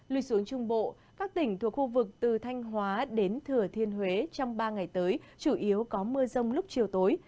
lùi xuống trung bộ các tỉnh thuộc khu vực từ thanh hóa đến thừa thiên huế trong ba ngày tới chủ yếu có mưa rông lúc chiều tối